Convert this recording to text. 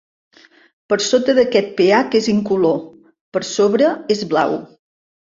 Per sota d'aquest pH, és incolor; per sobre, és blau.